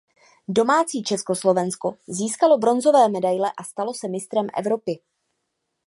Domácí Československo získalo bronzové medaile a stalo se mistrem Evropy.